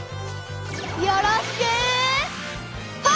よろしくファンファン！